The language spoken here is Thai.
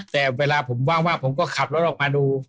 แต่เวลาผมว่างผมก็ขับรถออกมาดู